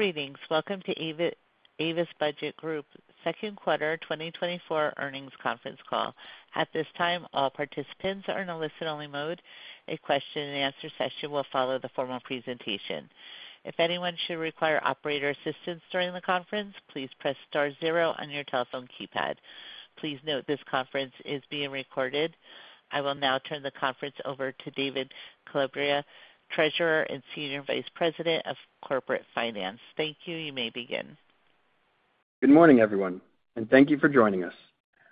Greetings. Welcome to Avis Budget Group second quarter 2024 earnings conference call. At this time, all participants are in a listen-only mode. A question-and-answer session will follow the formal presentation. If anyone should require operator assistance during the conference, please press star zero on your telephone keypad. Please note this conference is being recorded. I will now turn the conference over to David Calabria, Treasurer and Senior Vice President of Corporate Finance. Thank you. You may begin. Good morning, everyone, and thank you for joining us.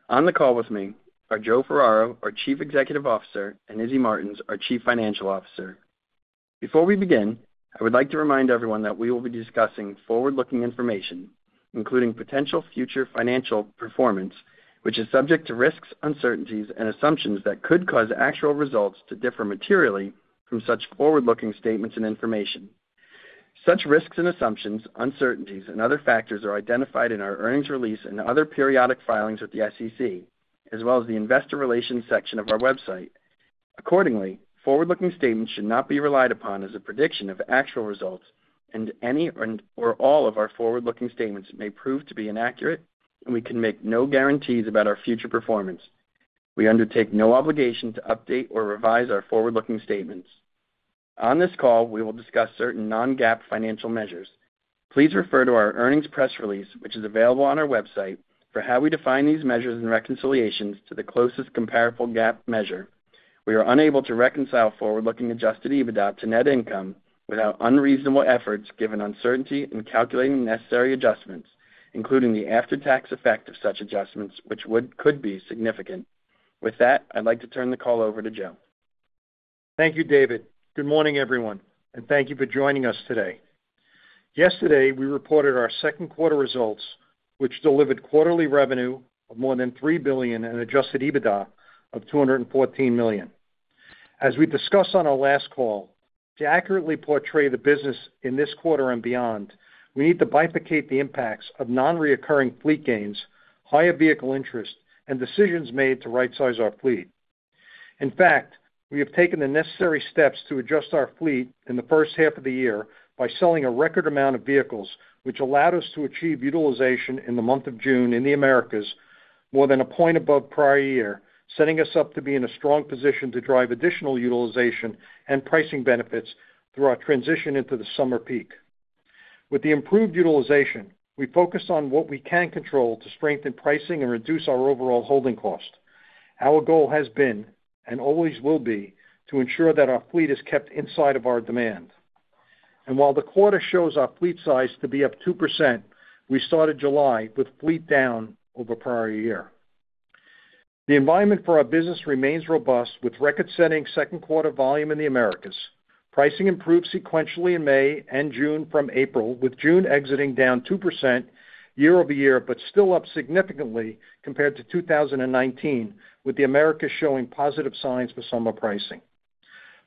On the call with me are Joe Ferraro, our Chief Executive Officer, and Izzy Martins, our Chief Financial Officer. Before we begin, I would like to remind everyone that we will be discussing forward-looking information, including potential future financial performance, which is subject to risks, uncertainties, and assumptions that could cause actual results to differ materially from such forward-looking statements and information. Such risks and assumptions, uncertainties, and other factors are identified in our earnings release and other periodic filings with the SEC, as well as the investor relations section of our website. Accordingly, forward-looking statements should not be relied upon as a prediction of actual results, and any and/or all of our forward-looking statements may prove to be inaccurate, and we can make no guarantees about our future performance. We undertake no obligation to update or revise our forward-looking statements. On this call, we will discuss certain non-GAAP financial measures. Please refer to our earnings press release, which is available on our website, for how we define these measures and reconciliations to the closest comparable GAAP measure. We are unable to reconcile forward-looking Adjusted EBITDA to net income without unreasonable efforts, given uncertainty in calculating necessary adjustments, including the after-tax effect of such adjustments, which could be significant. With that, I'd like to turn the call over to Joe. Thank you, David. Good morning, everyone, and thank you for joining us today. Yesterday, we reported our second quarter results, which delivered quarterly revenue of more than $3 billion and adjusted EBITDA of $214 million. As we discussed on our last call, to accurately portray the business in this quarter and beyond, we need to bifurcate the impacts of non-recurring fleet gains, higher vehicle interest, and decisions made to rightsize our fleet. In fact, we have taken the necessary steps to adjust our fleet in the first half of the year by selling a record amount of vehicles, which allowed us to achieve utilization in the month of June in the Americas, more than a point above prior year, setting us up to be in a strong position to drive additional utilization and pricing benefits through our transition into the summer peak. With the improved utilization, we focus on what we can control to strengthen pricing and reduce our overall holding cost. Our goal has been, and always will be, to ensure that our fleet is kept inside of our demand. While the quarter shows our fleet size to be up 2%, we started July with fleet down over prior year. The environment for our business remains robust, with record-setting second quarter volume in the Americas. Pricing improved sequentially in May and June from April, with June exiting down 2% year-over-year, but still up significantly compared to 2019, with the Americas showing positive signs for summer pricing.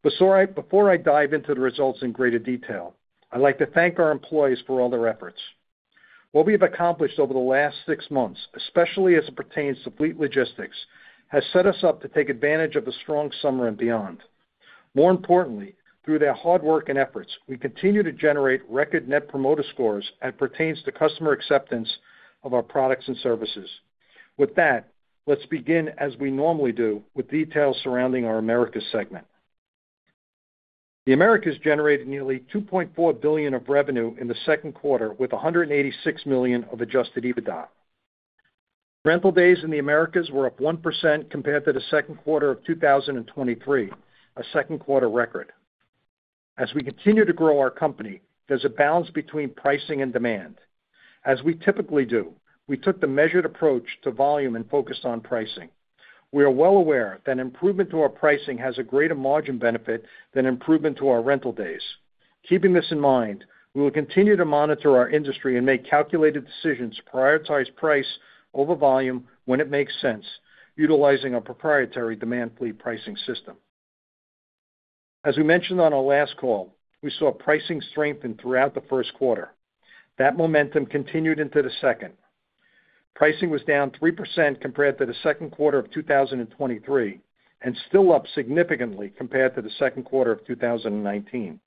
But so before I dive into the results in greater detail, I'd like to thank our employees for all their efforts. What we have accomplished over the last six months, especially as it pertains to fleet logistics, has set us up to take advantage of the strong summer and beyond. More importantly, through their hard work and efforts, we continue to generate record Net Promoter Scores as it pertains to customer acceptance of our products and services. With that, let's begin, as we normally do, with details surrounding our Americas segment. The Americas generated nearly $2.4 billion of revenue in the second quarter, with $186 million of Adjusted EBITDA. Rental days in the Americas were up 1% compared to the second quarter of 2023, a second quarter record. As we continue to grow our company, there's a balance between pricing and demand. As we typically do, we took the measured approach to volume and focused on pricing. We are well aware that improvement to our pricing has a greater margin benefit than improvement to our rental days. Keeping this in mind, we will continue to monitor our industry and make calculated decisions to prioritize price over volume when it makes sense, utilizing our proprietary Demand Fleet Pricing System. As we mentioned on our last call, we saw pricing strengthen throughout the first quarter. That momentum continued into the second. Pricing was down 3% compared to the second quarter of 2023, and still up significantly compared to the second quarter of 2019.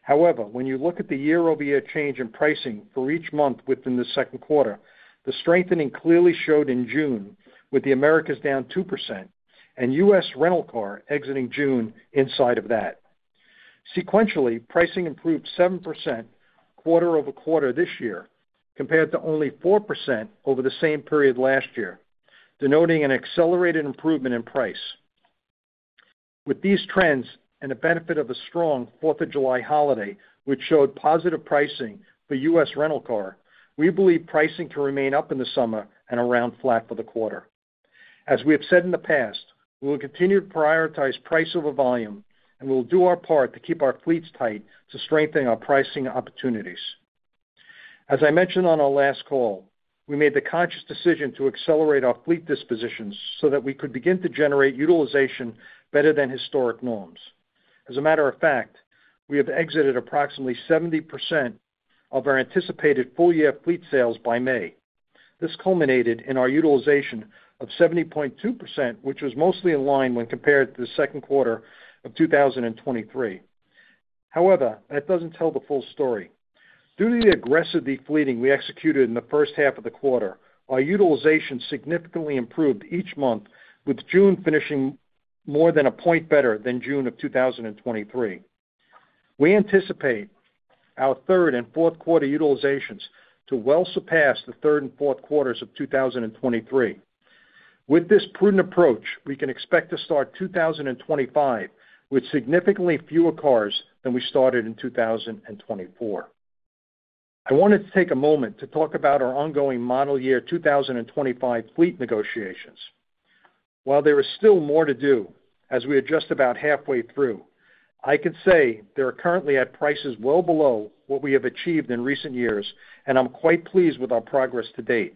However, when you look at the year-over-year change in pricing for each month within the second quarter, the strengthening clearly showed in June, with the Americas down 2% and U.S. rental car exiting June inside of that. Sequentially, pricing improved 7% quarter-over-quarter this year, compared to only 4% over the same period last year, denoting an accelerated improvement in price. With these trends and the benefit of a strong Fourth of July holiday, which showed positive pricing for U.S. rental car, we believe pricing can remain up in the summer and around flat for the quarter. As we have said in the past, we will continue to prioritize price over volume, and we will do our part to keep our fleets tight to strengthen our pricing opportunities. As I mentioned on our last call, we made the conscious decision to accelerate our fleet dispositions so that we could begin to generate utilization better than historic norms. As a matter of fact, we have exited approximately 70% of our anticipated full-year fleet sales by May. This culminated in our utilization of 70.2%, which was mostly in line when compared to the second quarter of 2023. However, that doesn't tell the full story. Due to the aggressive depleting we executed in the first half of the quarter, our utilization significantly improved each month, with June finishing more than a point better than June of 2023. We anticipate our third and fourth quarter utilizations to well surpass the third and fourth quarters of 2023. With this prudent approach, we can expect to start 2025 with significantly fewer cars than we started in 2024. I wanted to take a moment to talk about our ongoing model year 2025 fleet negotiations. While there is still more to do, as we are just about halfway through, I can say they are currently at prices well below what we have achieved in recent years, and I'm quite pleased with our progress to date.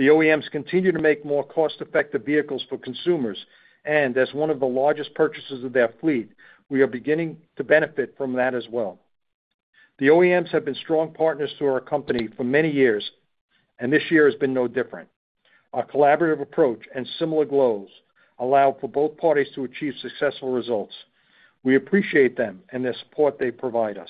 The OEMs continue to make more cost-effective vehicles for consumers, and as one of the largest purchasers of their fleet, we are beginning to benefit from that as well. The OEMs have been strong partners to our company for many years, and this year has been no different. Our collaborative approach and similar goals allow for both parties to achieve successful results. We appreciate them and the support they provide us.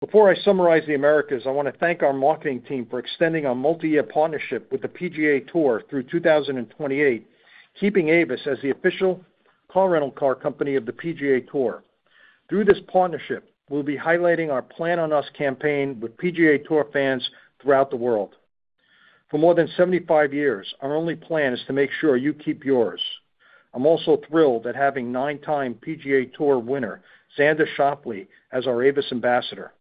Before I summarize the Americas, I want to thank our marketing team for extending our multi-year partnership with the PGA Tour through 2028, keeping Avis as the official car rental car company of the PGA Tour. Through this partnership, we'll be highlighting our Plan On Us campaign with PGA Tour fans throughout the world. For more than 75 years, our only plan is to make sure you keep yours. I'm also thrilled at having nine-time PGA Tour winner, Xander Schauffele, as our Avis ambassador.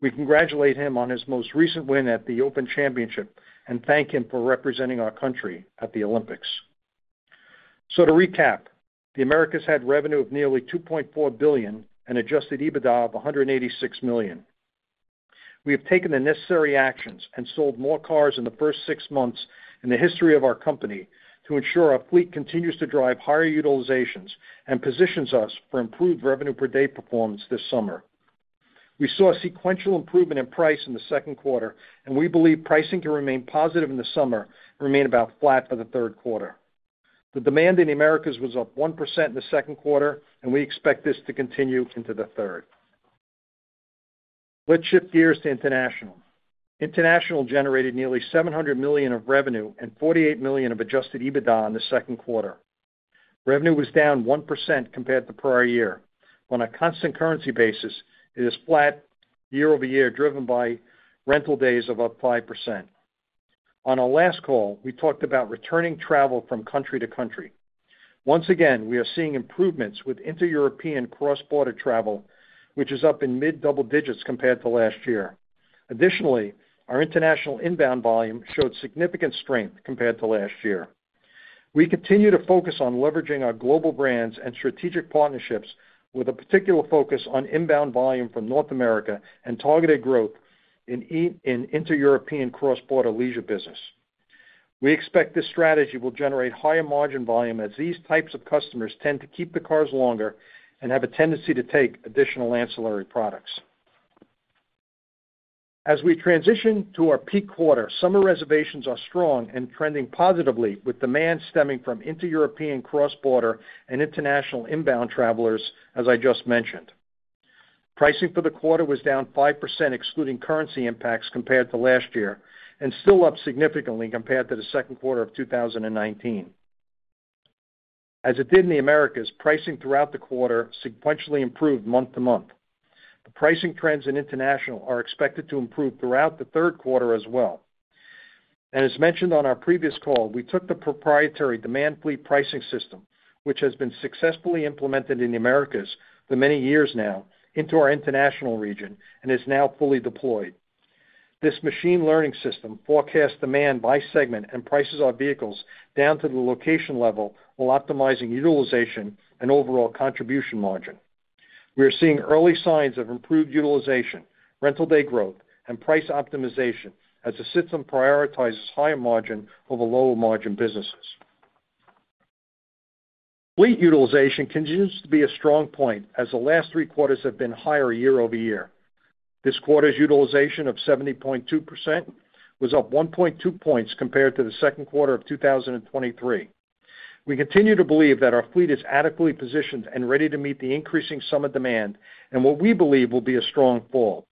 We congratulate him on his most recent win at the Open Championship and thank him for representing our country at the Olympics. To recap, the Americas had revenue of nearly $2.4 billion and Adjusted EBITDA of $186 million. We have taken the necessary actions and sold more cars in the first six months in the history of our company to ensure our fleet continues to drive higher utilizations and positions us for improved revenue per day performance this summer. We saw a sequential improvement in price in the second quarter, and we believe pricing can remain positive in the summer and remain about flat for the third quarter. The demand in the Americas was up 1% in the second quarter, and we expect this to continue into the third. Let's shift gears to International. International generated nearly $700 million of revenue and $48 million of Adjusted EBITDA in the second quarter. Revenue was down 1% compared to prior year. On a constant currency basis, it is flat year-over-year, driven by rental days up 5%. On our last call, we talked about returning travel from country to country. Once again, we are seeing improvements with inter-European cross-border travel, which is up in mid-double digits compared to last year. Additionally, our international inbound volume showed significant strength compared to last year. We continue to focus on leveraging our global brands and strategic partnerships with a particular focus on inbound volume from North America and targeted growth in inter-European cross-border leisure business. We expect this strategy will generate higher margin volume, as these types of customers tend to keep the cars longer and have a tendency to take additional ancillary products. As we transition to our peak quarter, summer reservations are strong and trending positively, with demand stemming from inter-European cross-border and international inbound travelers, as I just mentioned. Pricing for the quarter was down 5%, excluding currency impacts, compared to last year, and still up significantly compared to the second quarter of 2019. As it did in the Americas, pricing throughout the quarter sequentially improved month-to-month. The pricing trends in international are expected to improve throughout the third quarter as well. As mentioned on our previous call, we took the proprietary Demand Fleet Pricing System, which has been successfully implemented in the Americas for many years now, into our International region and is now fully deployed. This machine learning system forecasts demand by segment and prices our vehicles down to the location level while optimizing utilization and overall contribution margin. We are seeing early signs of improved utilization, rental day growth, and price optimization as the system prioritizes higher margin over lower margin businesses. Fleet utilization continues to be a strong point as the last three quarters have been higher year-over-year. This quarter's utilization of 70.2% was up 1.2 points compared to the second quarter of 2023. We continue to believe that our fleet is adequately positioned and ready to meet the increasing summer demand and what we believe will be a strong fall.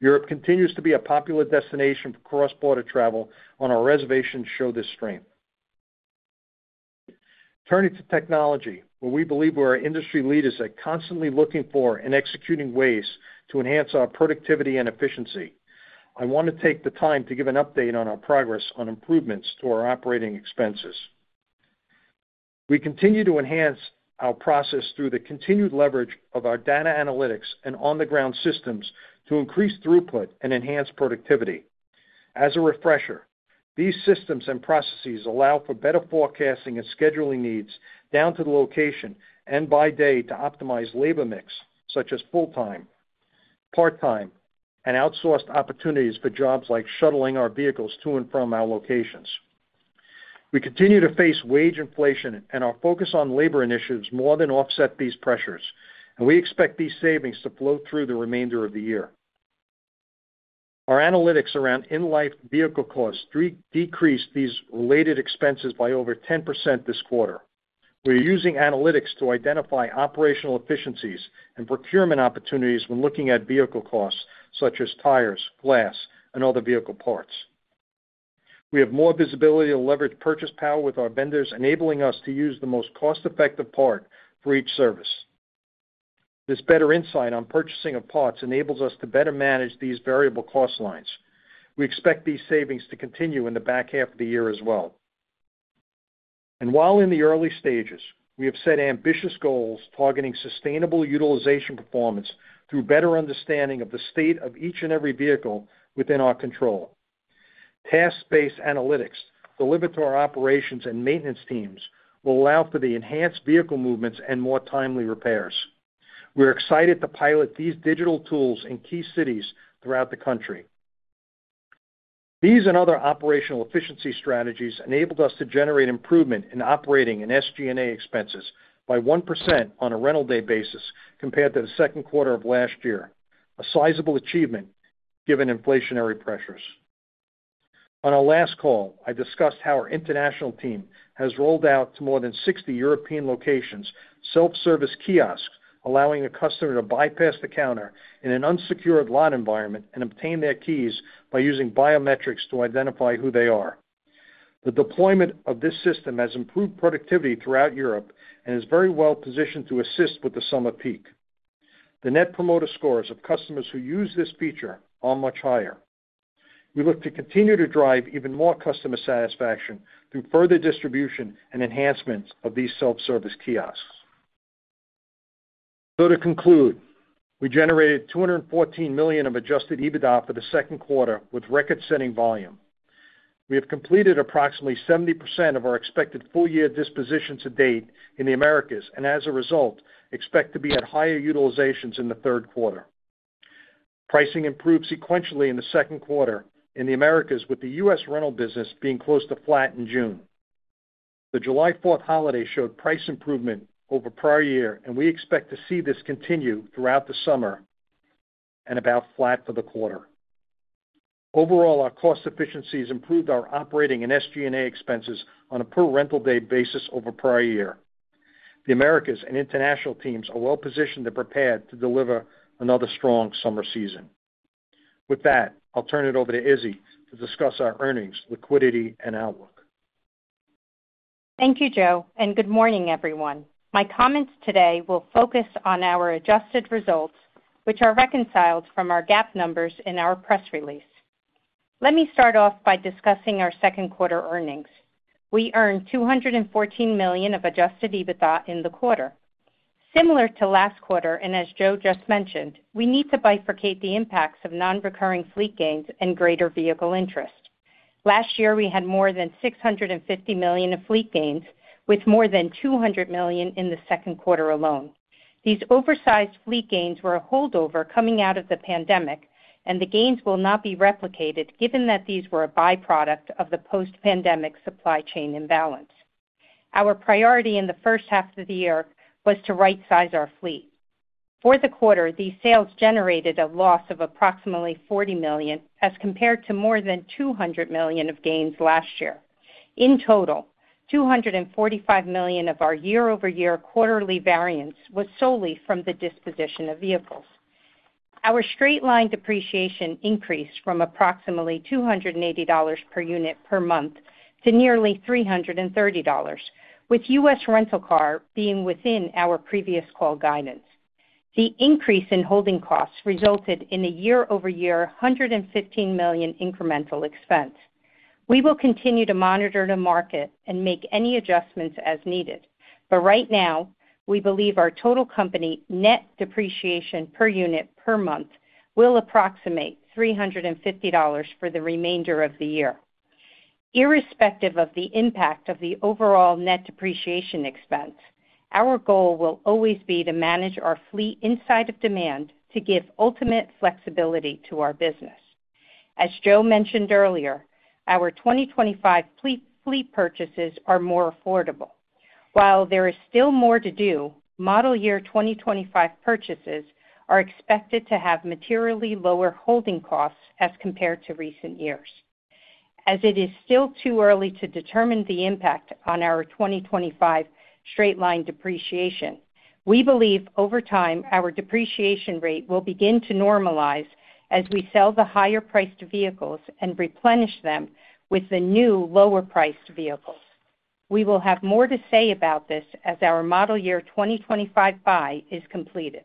Europe continues to be a popular destination for cross-border travel on our reservations show this strength. Turning to technology, where we believe we are industry leaders at constantly looking for and executing ways to enhance our productivity and efficiency. I want to take the time to give an update on our progress on improvements to our operating expenses. We continue to enhance our process through the continued leverage of our data analytics and on-the-ground systems to increase throughput and enhance productivity. As a refresher, these systems and processes allow for better forecasting and scheduling needs down to the location and by day to optimize labor mix, such as full-time, part-time, and outsourced opportunities for jobs like shuttling our vehicles to and from our locations. We continue to face wage inflation, and our focus on labor initiatives more than offset these pressures, and we expect these savings to flow through the remainder of the year. Our analytics around in-life vehicle costs decreased these related expenses by over 10% this quarter. We are using analytics to identify operational efficiencies and procurement opportunities when looking at vehicle costs, such as tires, glass, and other vehicle parts. We have more visibility to leverage purchase power with our vendors, enabling us to use the most cost-effective part for each service. This better insight on purchasing of parts enables us to better manage these variable cost lines. We expect these savings to continue in the back half of the year as well. And while in the early stages, we have set ambitious goals targeting sustainable utilization performance through better understanding of the state of each and every vehicle within our control. Task-based analytics delivered to our operations and maintenance teams will allow for the enhanced vehicle movements and more timely repairs. We're excited to pilot these digital tools in key cities throughout the country. These and other operational efficiency strategies enabled us to generate improvement in operating and SG&A expenses by 1% on a rental day basis compared to the second quarter of last year, a sizable achievement given inflationary pressures. On our last call, I discussed how our international team has rolled out to more than 60 European locations, self-service kiosks, allowing a customer to bypass the counter in an unsecured lot environment and obtain their keys by using biometrics to identify who they are. The deployment of this system has improved productivity throughout Europe and is very well positioned to assist with the summer peak. The Net Promoter Scores of customers who use this feature are much higher. We look to continue to drive even more customer satisfaction through further distribution and enhancements of these self-service kiosks. So to conclude, we generated $214 million of Adjusted EBITDA for the second quarter with record-setting volume. We have completed approximately 70% of our expected full-year dispositions to date in the Americas, and as a result, expect to be at higher utilizations in the third quarter. Pricing improved sequentially in the second quarter in the Americas, with the U.S. rental business being close to flat in June. The July fourth holiday showed price improvement over prior year, and we expect to see this continue throughout the summer and about flat for the quarter. Overall, our cost efficiencies improved our operating and SG&A expenses on a per rental day basis over prior year. The Americas and international teams are well positioned and prepared to deliver another strong summer season. With that, I'll turn it over to Izzy to discuss our earnings, liquidity, and outlook. Thank you, Joe, and good morning, everyone. My comments today will focus on our adjusted results, which are reconciled from our GAAP numbers in our press release. Let me start off by discussing our second quarter earnings. We earned $214 million of Adjusted EBITDA in the quarter. Similar to last quarter, and as Joe just mentioned, we need to bifurcate the impacts of nonrecurring fleet gains and greater vehicle interest. Last year, we had more than $650 million of fleet gains, with more than $200 million in the second quarter alone. These oversized fleet gains were a holdover coming out of the pandemic, and the gains will not be replicated given that these were a byproduct of the post-pandemic supply chain imbalance. Our priority in the first half of the year was to rightsize our fleet. For the quarter, these sales generated a loss of approximately $40 million, as compared to more than $200 million of gains last year. In total, $245 million of our year-over-year quarterly variance was solely from the disposition of vehicles. Our straight-line depreciation increased from approximately $280 per unit per month to nearly $330, with U.S. rental car being within our previous call guidance. The increase in holding costs resulted in a year-over-year $115 million incremental expense. We will continue to monitor the market and make any adjustments as needed, but right now, we believe our total company net depreciation per unit per month will approximate $350 for the remainder of the year. Irrespective of the impact of the overall net depreciation expense, our goal will always be to manage our fleet inside of demand to give ultimate flexibility to our business. As Joe mentioned earlier, our 2025 fleet purchases are more affordable. While there is still more to do, Model Year 2025 purchases are expected to have materially lower Holding Costs as compared to recent years. As it is still too early to determine the impact on our 2025 straight line depreciation, we believe over time, our depreciation rate will begin to normalize as we sell the higher-priced vehicles and replenish them with the new lower-priced vehicles. We will have more to say about this as our Model Year 2025 buy is completed.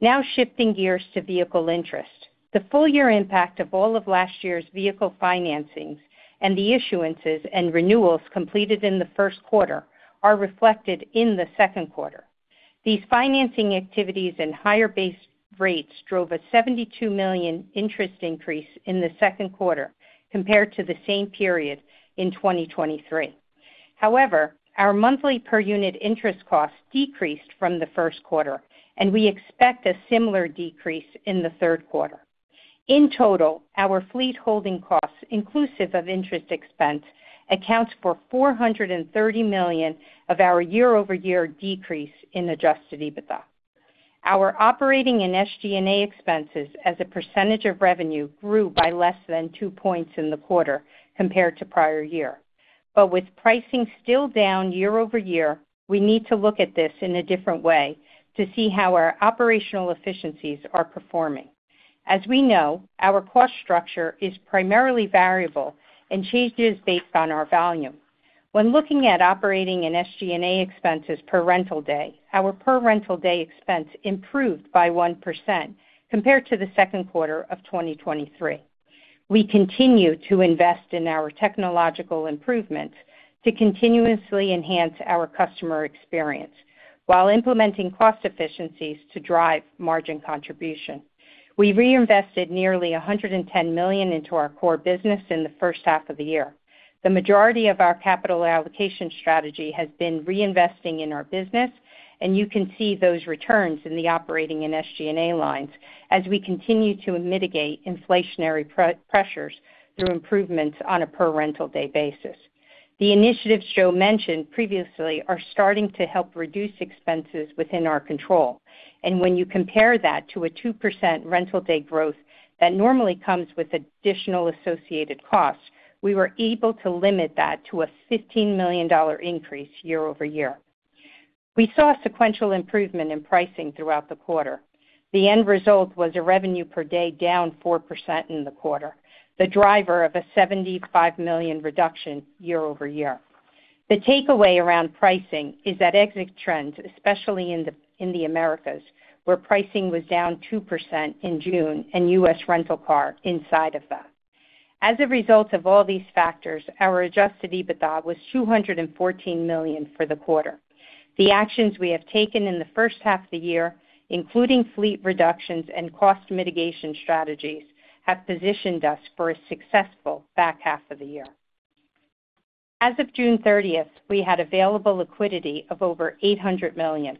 Now shifting gears to Vehicle Interest. The full year impact of all of last year's vehicle financings and the issuances and renewals completed in the first quarter are reflected in the second quarter. These financing activities and higher base rates drove a $72 million interest increase in the second quarter compared to the same period in 2023. However, our monthly per unit interest costs decreased from the first quarter, and we expect a similar decrease in the third quarter. In total, our fleet holding costs, inclusive of interest expense, accounts for $430 million of our year-over-year decrease in Adjusted EBITDA. Our operating and SG&A expenses as a percentage of revenue grew by less than 2 points in the quarter compared to prior year. But with pricing still down year-over-year, we need to look at this in a different way to see how our operational efficiencies are performing. As we know, our cost structure is primarily variable and changes based on our volume. When looking at operating and SG&A expenses per rental day, our per rental day expense improved by 1% compared to the second quarter of 2023. We continue to invest in our technological improvements to continuously enhance our customer experience while implementing cost efficiencies to drive margin contribution. We reinvested nearly $110 million into our core business in the first half of the year. The majority of our capital allocation strategy has been reinvesting in our business, and you can see those returns in the operating and SG&A lines as we continue to mitigate inflationary pre-pressures through improvements on a per rental day basis. The initiatives Joe mentioned previously are starting to help reduce expenses within our control, and when you compare that to a 2% rental day growth that normally comes with additional associated costs, we were able to limit that to a $15 million increase year-over-year. We saw a sequential improvement in pricing throughout the quarter. The end result was a revenue per day down 4% in the quarter, the driver of a $75 million reduction year-over-year. The takeaway around pricing is that exit trends, especially in the Americas, where pricing was down 2% in June, and U.S. rental car inside of that. As a result of all these factors, our Adjusted EBITDA was $214 million for the quarter. The actions we have taken in the first half of the year, including fleet reductions and cost mitigation strategies, have positioned us for a successful back half of the year. As of June 30, we had available liquidity of over $800 million,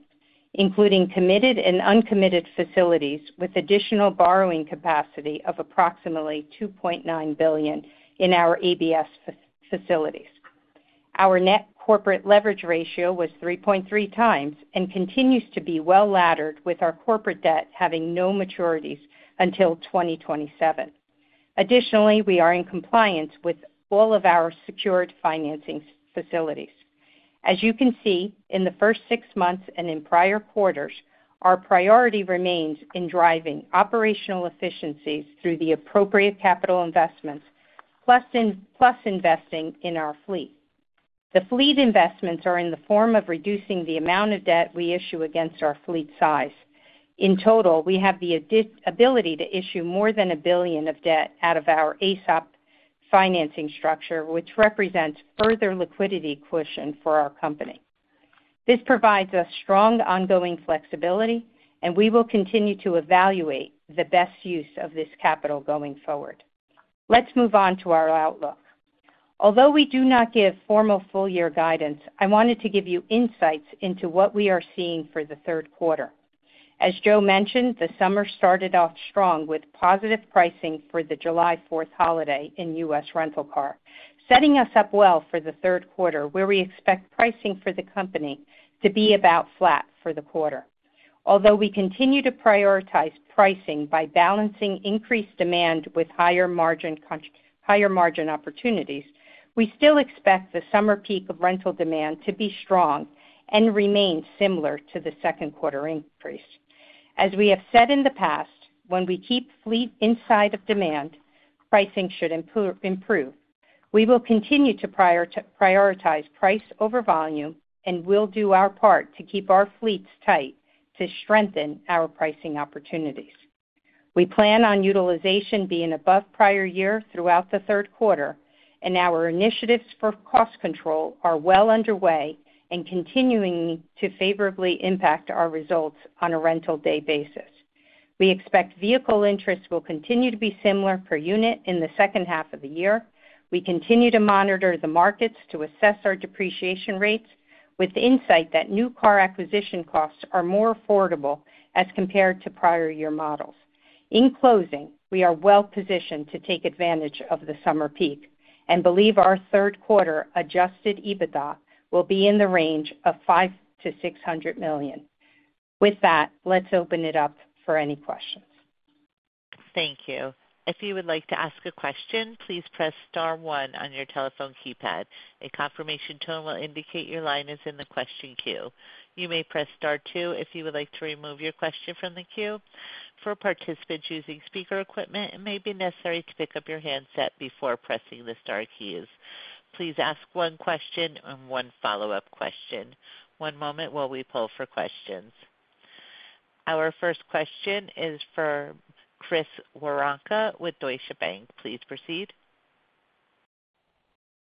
including committed and uncommitted facilities, with additional borrowing capacity of approximately $2.9 billion in our ABS facilities. Our net corporate leverage ratio was 3.3x and continues to be well-laddered, with our corporate debt having no maturities until 2027. Additionally, we are in compliance with all of our secured financing facilities. As you can see, in the first six months and in prior quarters, our priority remains in driving operational efficiencies through the appropriate capital investments, plus investing in our fleet. The fleet investments are in the form of reducing the amount of debt we issue against our fleet size. In total, we have the additional ability to issue more than $1 billion of debt out of our AESOP financing structure, which represents further liquidity cushion for our company. This provides us strong ongoing flexibility, and we will continue to evaluate the best use of this capital going forward. Let's move on to our outlook. Although we do not give formal full-year guidance, I wanted to give you insights into what we are seeing for the third quarter. As Joe mentioned, the summer started off strong with positive pricing for the July 4th holiday in U.S. rental car, setting us up well for the third quarter, where we expect pricing for the company to be about flat for the quarter. Although we continue to prioritize pricing by balancing increased demand with higher margin opportunities, we still expect the summer peak of rental demand to be strong and remain similar to the second quarter increase. As we have said in the past, when we keep fleet inside of demand, pricing should improve. We will continue to prioritize price over volume, and we'll do our part to keep our fleets tight to strengthen our pricing opportunities. We plan on utilization being above prior year throughout the third quarter, and our initiatives for cost control are well underway and continuing to favorably impact our results on a rental day basis. We expect vehicle interest will continue to be similar per unit in the second half of the year. We continue to monitor the markets to assess our depreciation rates, with the insight that new car acquisition costs are more affordable as compared to prior year models. In closing, we are well positioned to take advantage of the summer peak and believe our third quarter Adjusted EBITDA will be in the range of $500 million-$600 million. With that, let's open it up for any questions. Thank you. If you would like to ask a question, please press star one on your telephone keypad. A confirmation tone will indicate your line is in the question queue. You may press Star two if you would like to remove your question from the queue. For participants using speaker equipment, it may be necessary to pick up your handset before pressing the star keys. Please ask one question and one follow-up question. One moment while we pull for questions. Our first question is for Chris Woronka with Deutsche Bank. Please proceed.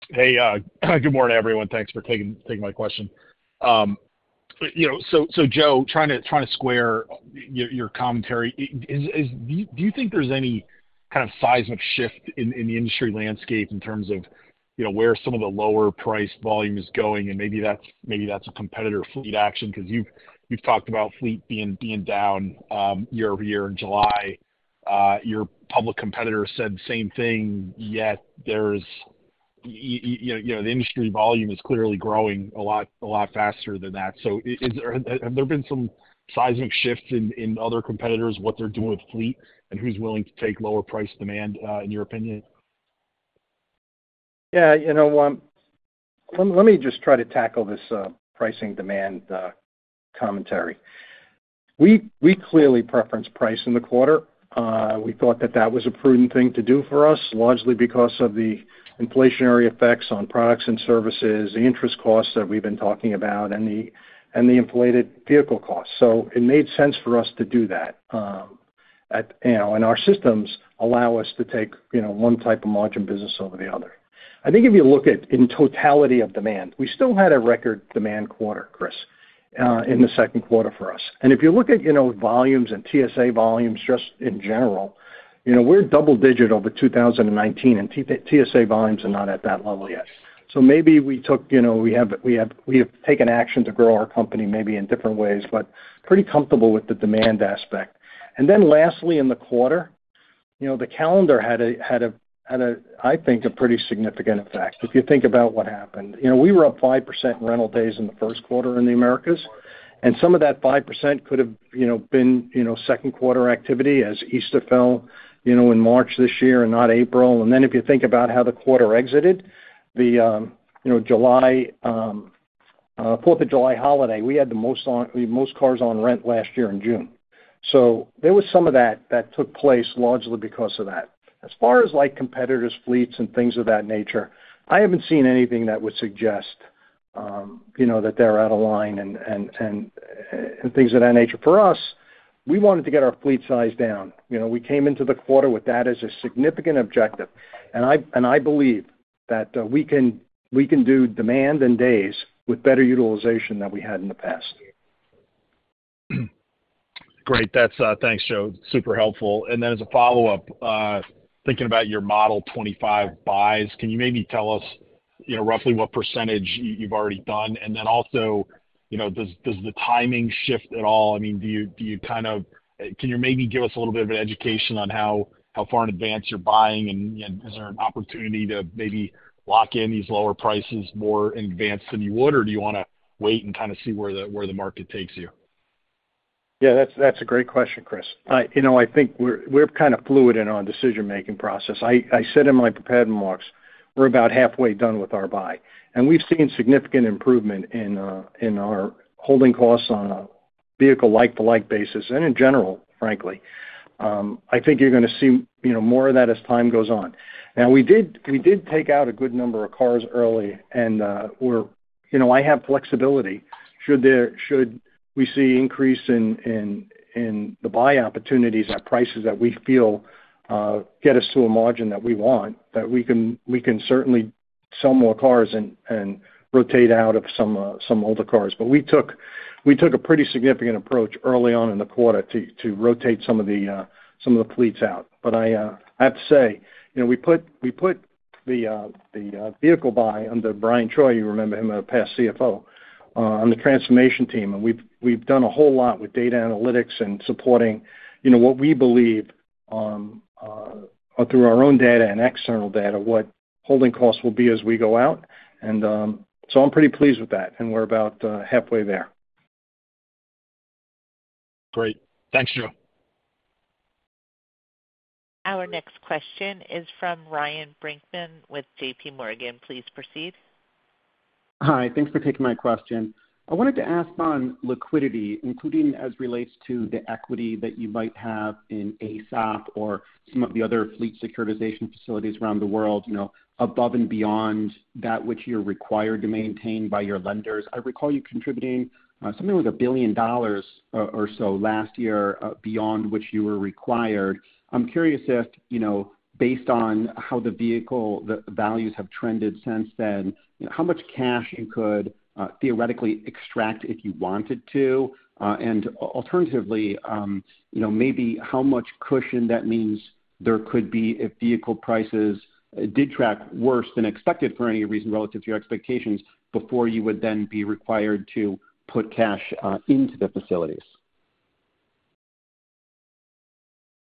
Hey, good morning, everyone. Thanks for taking my question. You know, so Joe, trying to square your commentary, is do you think there's any kind of seismic shift in the industry landscape in terms of, you know, where some of the lower price volume is going? And maybe that's a competitor fleet action, because you've talked about fleet being down year-over-year in July. Your public competitor said the same thing, yet there's you know, the industry volume is clearly growing a lot faster than that. So have there been some seismic shifts in other competitors, what they're doing with fleet, and who's willing to take lower price demand in your opinion? Yeah, you know, let me just try to tackle this pricing demand commentary. We clearly preference price in the quarter. We thought that that was a prudent thing to do for us, largely because of the inflationary effects on products and services, the interest costs that we've been talking about, and the inflated vehicle costs. So it made sense for us to do that. You know, and our systems allow us to take, you know, one type of margin business over the other. I think if you look at in totality of demand, we still had a record demand quarter, Chris, in the second quarter for us. And if you look at, you know, volumes and TSA volumes just in general, you know, we're double-digit over 2019, and TSA volumes are not at that level yet. So maybe we took, you know, we have, we have, we have taken action to grow our company maybe in different ways, but pretty comfortable with the demand aspect. And then lastly, in the quarter, you know, the calendar had a, had a, had a, I think, a pretty significant effect if you think about what happened. You know, we were up 5% in rental days in the first quarter in the Americas, and some of that 5% could have, you know, been, you know, second quarter activity as Easter fell, you know, in March this year and not April. Then if you think about how the quarter exited, the, you know, July, 4th of July holiday, we had the most cars on rent last year in June. So there was some of that that took place largely because of that. As far as like competitors, fleets, and things of that nature, I haven't seen anything that would suggest, you know, that they're out of line and things of that nature. For us, we wanted to get our fleet size down. You know, we came into the quarter with that as a significant objective, and I believe that we can do demand and days with better utilization than we had in the past. Great. Thanks, Joe. Super helpful. And then as a follow-up, thinking about your Model 2025 buys, can you maybe tell us, you know, roughly what percentage you've already done? And then also, you know, does the timing shift at all? I mean, do you kind of, can you maybe give us a little bit of an education on how far in advance you're buying, and is there an opportunity to maybe lock in these lower prices more in advance than you would, or do you wanna wait and kind of see where the market takes you? Yeah, that's a great question, Chris. You know, I think we're kind of fluid in our decision-making process. I said in my prepared remarks, we're about halfway done with our buy, and we've seen significant improvement in our holding costs on a vehicle like-to-like basis and in general, frankly. I think you're gonna see, you know, more of that as time goes on. Now, we did take out a good number of cars early, and we're, you know, I have flexibility should we see increase in the buy opportunities at prices that we feel get us to a margin that we want, that we can certainly sell more cars and rotate out of some older cars. But we took a pretty significant approach early on in the quarter to rotate some of the fleets out. But I have to say, you know, we put the vehicle buy under Brian Choi, you remember him, our past CFO, on the transformation team, and we've done a whole lot with data analytics and supporting, you know, what we believe through our own data and external data, what holding costs will be as we go out. And so I'm pretty pleased with that, and we're about halfway there. Great. Thanks, Joe. Our next question is from Ryan Brinkman with JPMorgan. Please proceed. Hi. Thanks for taking my question. I wanted to ask on liquidity, including as relates to the equity that you might have in AESOP or some of the other fleet securitization facilities around the world, you know, above and beyond that which you're required to maintain by your lenders. I recall you contributing something like $1 billion or so last year beyond which you were required. I'm curious if, you know, based on how the vehicle, the values have trended since then, how much cash you could theoretically extract if you wanted to? And alternatively, you know, maybe how much cushion that means there could be if vehicle prices did track worse than expected for any reason relative to your expectations before you would then be required to put cash into the facilities?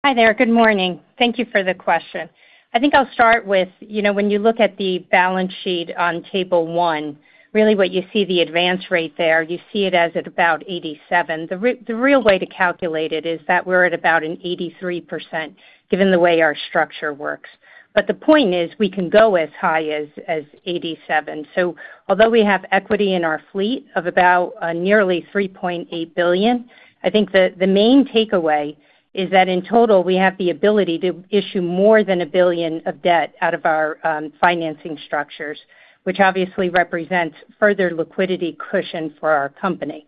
Hi there. Good morning. Thank you for the question. I think I'll start with, you know, when you look at the balance sheet on table one, really what you see the advance rate there, you see it as at about 87%. The real way to calculate it is that we're at about an 83%, given the way our structure works. But the point is, we can go as high as 87%. So although we have equity in our fleet of about nearly $3.8 billion, I think the main takeaway is that in total, we have the ability to issue more than $1 billion of debt out of our financing structures, which obviously represents further liquidity cushion for our company.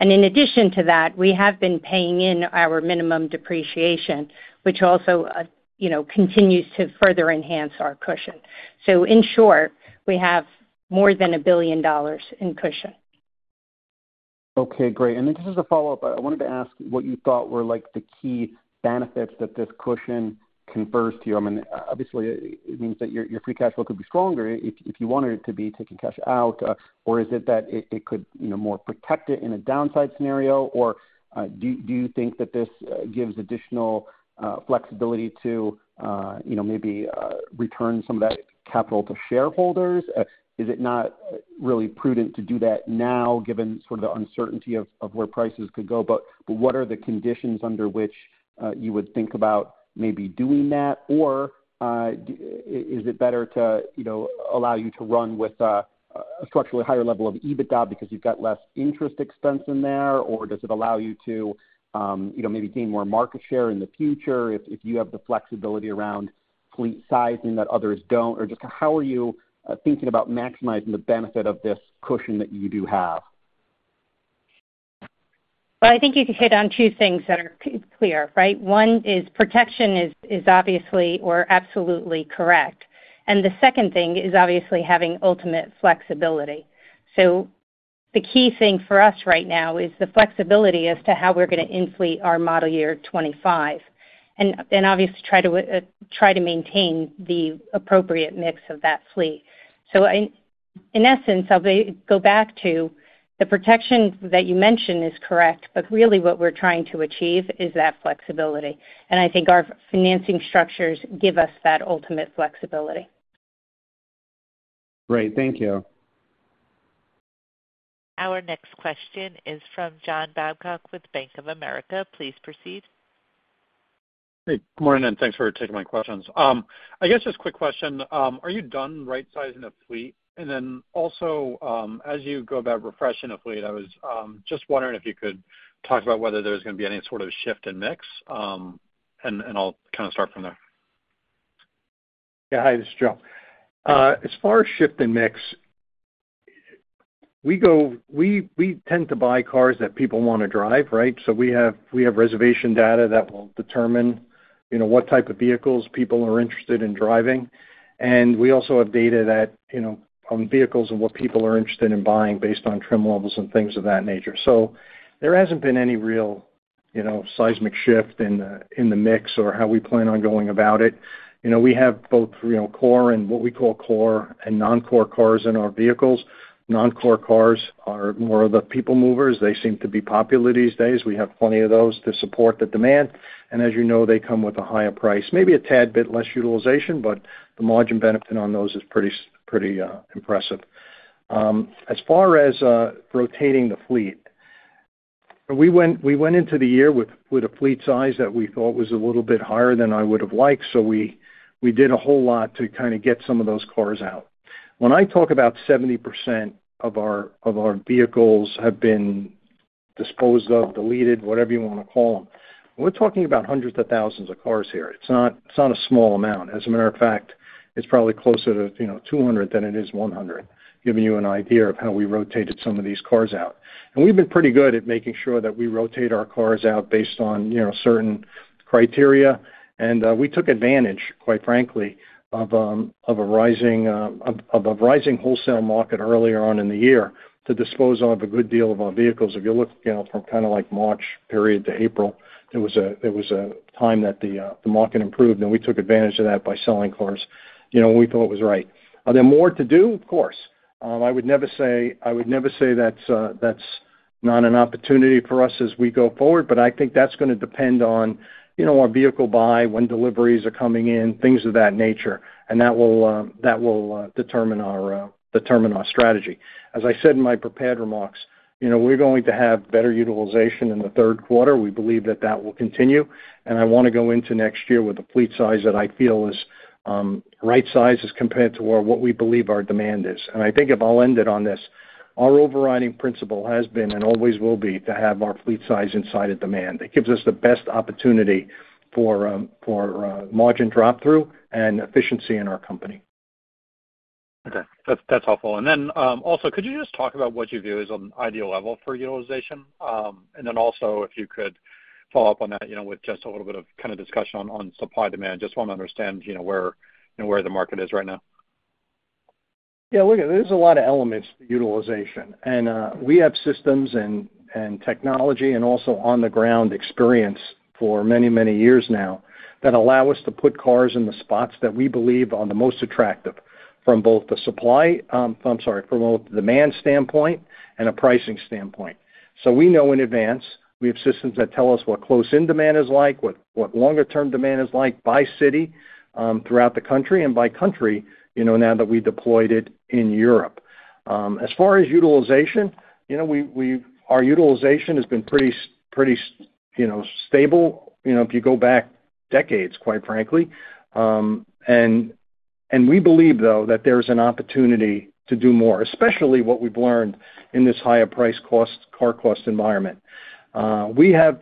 In addition to that, we have been paying in our minimum depreciation, which also, you know, continues to further enhance our cushion. So in short, we have more than $1 billion in cushion. Okay, great. And then just as a follow-up, I wanted to ask what you thought were like the key benefits that this cushion confers to you? I mean, obviously, it means that your free cash flow could be stronger if you wanted it to be taking cash out, or is it that it could, you know, more protect it in a downside scenario? Or, do you think that this gives additional flexibility to, you know, maybe return some of that capital to shareholders? Is it not really prudent to do that now, given sort of the uncertainty of where prices could go? But what are the conditions under which you would think about maybe doing that? Or, is it better to, you know, allow you to run with a structurally higher level of EBITDA because you've got less interest expense in there? Or does it allow you to, you know, maybe gain more market share in the future if you have the flexibility around fleet sizing that others don't? Or just how are you thinking about maximizing the benefit of this cushion that you do have? Well, I think you can hit on two things that are clear, right? One is protection is obviously absolutely correct, and the second thing is obviously having ultimate flexibility. So the key thing for us right now is the flexibility as to how we're gonna inflate our Model Year 2025, and obviously try to try to maintain the appropriate mix of that fleet. So in essence, I'll go back to the protection that you mentioned is correct, but really what we're trying to achieve is that flexibility, and I think our financing structures give us that ultimate flexibility. Great, thank you. Our next question is from John Babcock with Bank of America. Please proceed. Hey, good morning, and thanks for taking my questions. I guess just a quick question. Are you done right-sizing the fleet? And then also, as you go about refreshing the fleet, I was just wondering if you could talk about whether there's gonna be any sort of shift in mix. And I'll kind of start from there. Yeah. Hi, this is Joe. As far as shift in mix, we tend to buy cars that people wanna drive, right? So we have reservation data that will determine, you know, what type of vehicles people are interested in driving. And we also have data that, you know, on vehicles and what people are interested in buying based on trim levels and things of that nature. So there hasn't been any real, you know, seismic shift in the mix or how we plan on going about it. You know, we have both, you know, core and what we call core and non-core cars in our vehicles. Non-core cars are more of the people movers. They seem to be popular these days. We have plenty of those to support the demand, and as you know, they come with a higher price, maybe a tad bit less utilization, but the margin benefit on those is pretty impressive. As far as rotating the fleet, we went into the year with a fleet size that we thought was a little bit higher than I would have liked, so we did a whole lot to kind of get some of those cars out. When I talk about 70% of our vehicles have been disposed of, deleted, whatever you wanna call them, we're talking about hundreds of thousands of cars here. It's not a small amount. As a matter of fact, it's probably closer to, you know, 200 than it is 100, giving you an idea of how we rotated some of these cars out. And we've been pretty good at making sure that we rotate our cars out based on, you know, certain criteria. And we took advantage, quite frankly, of a rising wholesale market earlier on in the year to dispose of a good deal of our vehicles. If you look, you know, from kind of like March period to April, there was a time that the market improved, and we took advantage of that by selling cars, you know, when we thought it was right. Are there more to do? Of course. I would never say, I would never say that's, that's not an opportunity for us as we go forward, but I think that's gonna depend on, you know, our vehicle buy, when deliveries are coming in, things of that nature, and that will, that will, determine our, determine our strategy. As I said in my prepared remarks, you know, we're going to have better utilization in the third quarter. We believe that that will continue, and I wanna go into next year with a fleet size that I feel is, right size as compared to our, what we believe our demand is. And I think if I'll end it on this, our overriding principle has been and always will be, to have our fleet size inside of demand. It gives us the best opportunity for margin drop-through and efficiency in our company. Okay. That's, that's helpful. And then, also, could you just talk about what you view as an ideal level for utilization? And then also, if you could follow up on that, you know, with just a little bit of kind of discussion on supply and demand. Just want to understand, you know, where, you know, where the market is right now. Yeah, look, there's a lot of elements to utilization, and we have systems and technology and also on-the-ground experience for many, many years now, that allow us to put cars in the spots that we believe are the most attractive, from both the supply, I'm sorry, from a demand standpoint and a pricing standpoint. So we know in advance. We have systems that tell us what close-in demand is like, what longer-term demand is like by city, throughout the country and by country, you know, now that we deployed it in Europe. As far as utilization, you know, our utilization has been pretty stable, you know, if you go back decades, quite frankly. And we believe, though, that there's an opportunity to do more, especially what we've learned in this higher price cost, car cost environment. We have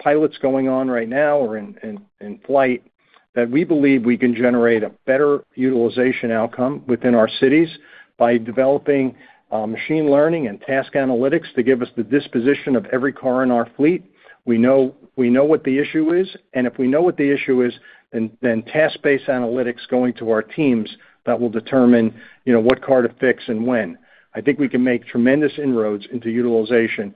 pilots going on right now or in flight, that we believe we can generate a better utilization outcome within our cities by developing machine learning and task analytics to give us the disposition of every car in our fleet. We know what the issue is, and if we know what the issue is, then task-based analytics going to our teams that will determine, you know, what car to fix and when. I think we can make tremendous inroads into utilization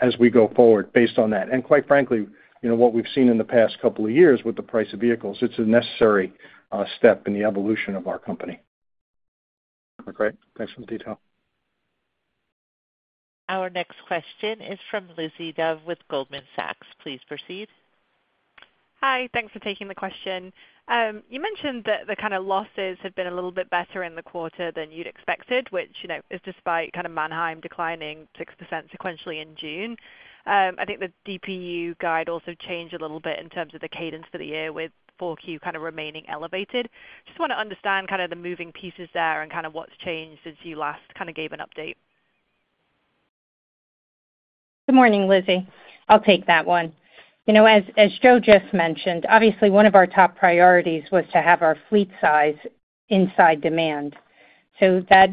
as we go forward based on that. Quite frankly, you know, what we've seen in the past couple of years with the price of vehicles, it's a necessary step in the evolution of our company. Great. Thanks for the detail. Our next question is from Lizzie Dove with Goldman Sachs. Please proceed. Hi, thanks for taking the question. You mentioned that the kind of losses have been a little bit better in the quarter than you'd expected, which, you know, is despite kind of Manheim declining 6% sequentially in June. I think the DPU guide also changed a little bit in terms of the cadence for the year with Q4 kind of remaining elevated. Just want to understand kind of the moving pieces there and kind of what's changed since you last kind of gave an update. Good morning, Lizzie. I'll take that one. You know, as Joe just mentioned, obviously one of our top priorities was to have our fleet size inside demand. So that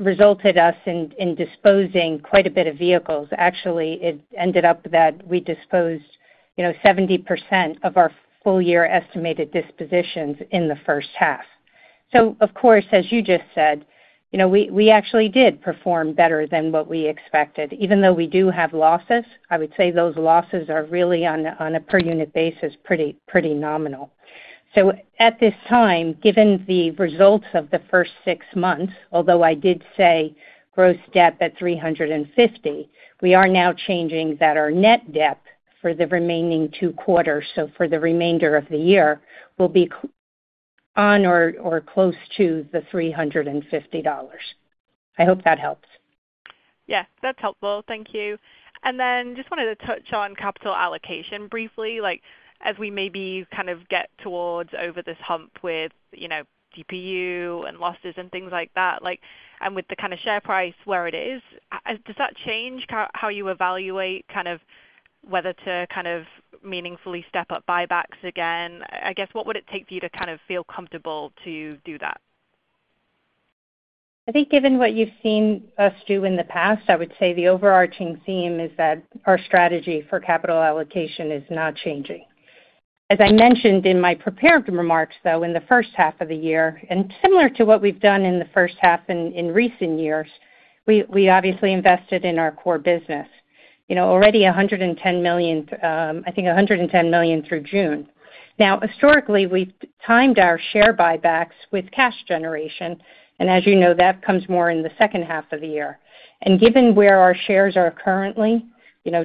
resulted us in disposing quite a bit of vehicles. Actually, it ended up that we disposed, you know, 70% of our full year estimated dispositions in the first half. So of course, as you just said, you know, we actually did perform better than what we expected. Even though we do have losses, I would say those losses are really on a per unit basis, pretty, pretty nominal. So at this time, given the results of the first six months, although I did say gross debt at $350, we are now changing that, our net debt for the remaining two quarters, so for the remainder of the year, will be on or, or close to the $350. I hope that helps. Yes, that's helpful. Thank you. Then just wanted to touch on capital allocation briefly. Like, as we maybe kind of get towards over this hump with, you know, DPU and losses and things like that, like, and with the kind of share price where it is, does that change how you evaluate kind of whether to kind of meaningfully step up buybacks again? I guess, what would it take for you to kind of feel comfortable to do that? I think given what you've seen us do in the past, I would say the overarching theme is that our strategy for capital allocation is not changing. As I mentioned in my prepared remarks, though, in the first half of the year, and similar to what we've done in the first half in recent years, we obviously invested in our core business. You know, already $110 million, I think $110 million through June. Now, historically, we've timed our share buybacks with cash generation, and as you know, that comes more in the second half of the year. Given where our shares are currently, you know,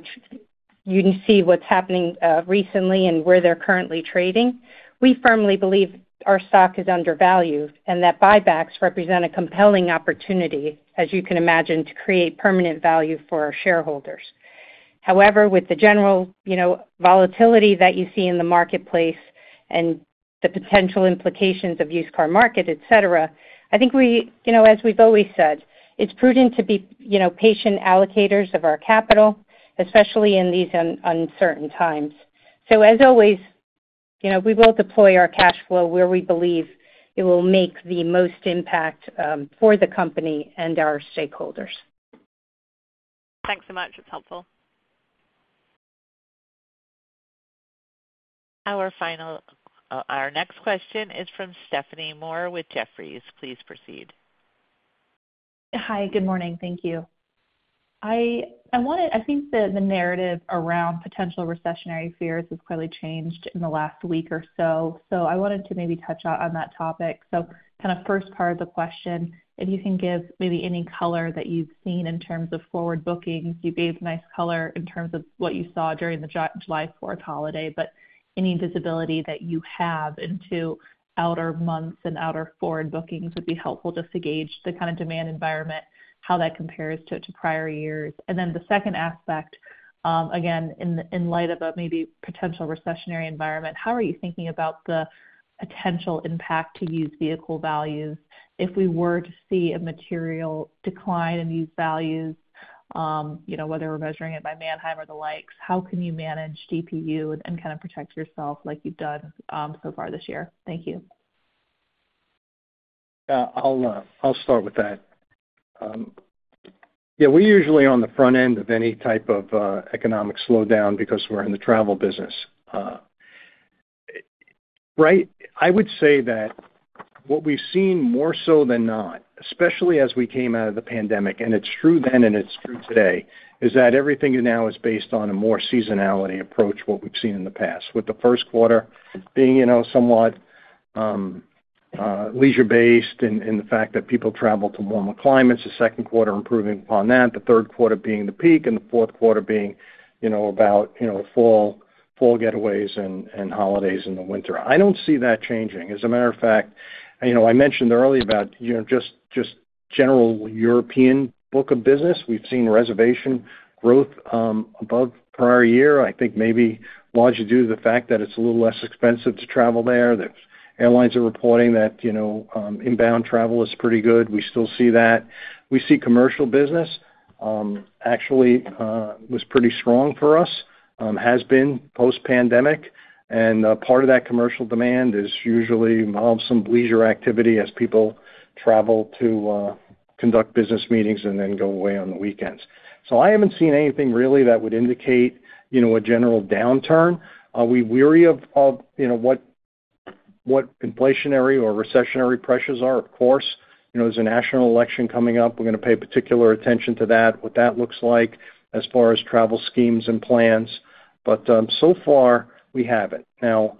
you can see what's happening recently and where they're currently trading. We firmly believe our stock is undervalued and that buybacks represent a compelling opportunity, as you can imagine, to create permanent value for our shareholders. However, with the general, you know, volatility that you see in the marketplace and the potential implications of used car market, et cetera, I think we, you know, as we've always said, it's prudent to be, you know, patient allocators of our capital, especially in these uncertain times. So as always, you know, we will deploy our cash flow where we believe it will make the most impact for the company and our stakeholders. Thanks so much. It's helpful. Our next question is from Stephanie Moore with Jefferies. Please proceed. Hi, good morning. Thank you. I wanted- I think the narrative around potential recessionary fears has clearly changed in the last week or so. So I wanted to maybe touch on that topic. So kind of first part of the question, if you can give maybe any color that you've seen in terms of forward bookings. You gave nice color in terms of what you saw during the July 4th holiday, but any visibility that you have into outer months and outer forward bookings would be helpful just to gauge the kind of demand environment, how that compares to prior years. And then the second aspect, again, in light of a maybe potential recessionary environment, how are you thinking about the potential impact to used vehicle values? If we were to see a material decline in these values, you know, whether we're measuring it by Manheim or the likes, how can you manage DPU and kind of protect yourself like you've done, so far this year? Thank you. Yeah, I'll start with that. Yeah, we're usually on the front end of any type of economic slowdown because we're in the travel business. Right, I would say that what we've seen more so than not, especially as we came out of the pandemic, and it's true then and it's true today, is that everything now is based on a more seasonality approach, what we've seen in the past. With the first quarter being, you know, somewhat leisure-based in the fact that people travel to warmer climates, the second quarter improving upon that, the third quarter being the peak, and the fourth quarter being, you know, about, you know, fall getaways and holidays in the winter. I don't see that changing. As a matter of fact, you know, I mentioned earlier about, you know, just, just general European book of business. We've seen reservation growth above prior year. I think maybe largely due to the fact that it's a little less expensive to travel there, that airlines are reporting that, you know, inbound travel is pretty good. We still see that. We see commercial business actually was pretty strong for us has been post-pandemic, and part of that commercial demand is usually involves some leisure activity as people travel to conduct business meetings and then go away on the weekends. So I haven't seen anything really that would indicate, you know, a general downturn. Are we wary of, of, you know, what, what inflationary or recessionary pressures are? Of course. You know, there's a national election coming up. We're gonna pay particular attention to that, what that looks like as far as travel schemes and plans, but, so far, we haven't. Now,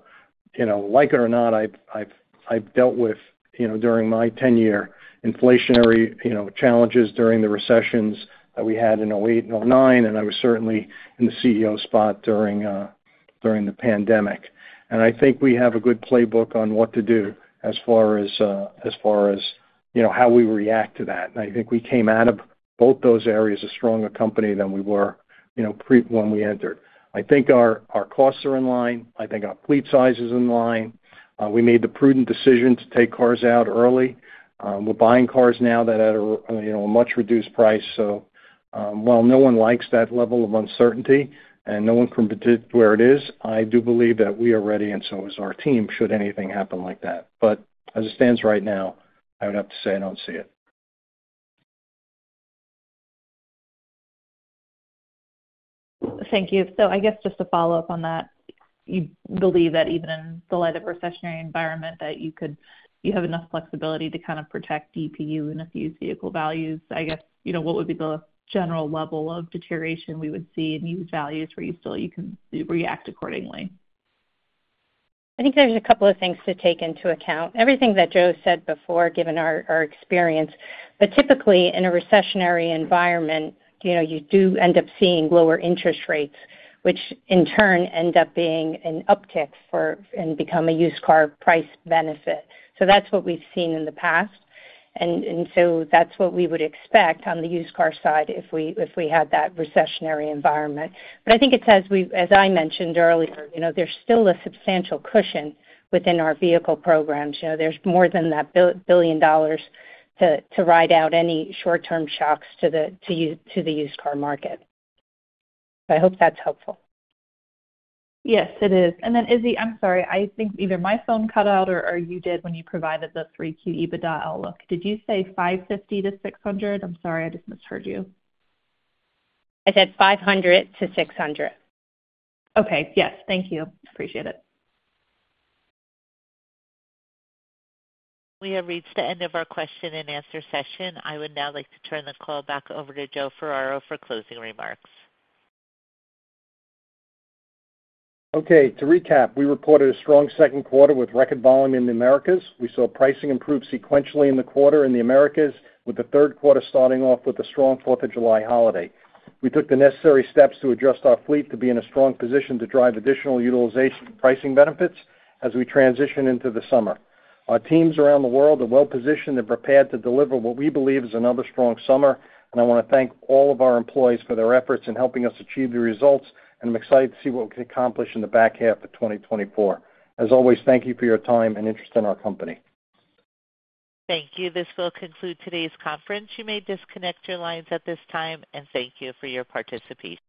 you know, like it or not, I've dealt with, you know, during my tenure, inflationary, you know, challenges during the recessions that we had in 2008 and 2009, and I was certainly in the CEO spot during the pandemic. And I think we have a good playbook on what to do as far as, as far as, you know, how we react to that. And I think we came out of both those areas a stronger company than we were, you know, pre-- when we entered. I think our costs are in line. I think our fleet size is in line. We made the prudent decision to take cars out early. We're buying cars now that are at a, you know, a much-reduced price. So, while no one likes that level of uncertainty, and no one can predict where it is, I do believe that we are ready, and so is our team, should anything happen like that. But as it stands right now, I would have to say I don't see it. Thank you. So I guess just to follow up on that, you believe that even in the light of recessionary environment, that you could, you have enough flexibility to kind of protect DPU and the used vehicle values? I guess, you know, what would be the general level of deterioration we would see in used values where you still, you can react accordingly? I think there's a couple of things to take into account. Everything that Joe said before, given our experience, but typically, in a recessionary environment, you know, you do end up seeing lower interest rates, which in turn end up being an uptick for, and become a used car price benefit. So that's what we've seen in the past. And so that's what we would expect on the used car side if we had that recessionary environment. But I think it's as I mentioned earlier, you know, there's still a substantial cushion within our vehicle programs. You know, there's more than that $1 billion to ride out any short-term shocks to the used car market. I hope that's helpful. Yes, it is. Then, Izzy, I'm sorry, I think either my phone cut out or you did when you provided the 3Q EBITDA outlook. Did you say $550-$600? I'm sorry, I just misheard you. I said 500-600. Okay. Yes. Thank you. Appreciate it. We have reached the end of our question-and-answer session. I would now like to turn the call back over to Joe Ferraro for closing remarks. Okay, to recap, we reported a strong second quarter with record volume in the Americas. We saw pricing improve sequentially in the quarter in the Americas, with the third quarter starting off with a strong Fourth of July holiday. We took the necessary steps to adjust our fleet to be in a strong position to drive additional utilization and pricing benefits as we transition into the summer. Our teams around the world are well positioned and prepared to deliver what we believe is another strong summer, and I want to thank all of our employees for their efforts in helping us achieve the results, and I'm excited to see what we can accomplish in the back half of 2024. As always, thank you for your time and interest in our company. Thank you. This will conclude today's conference. You may disconnect your lines at this time, and thank you for your participation.